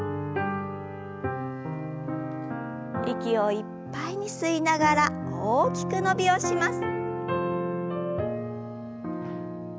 息をいっぱいに吸いながら大きく伸びをします。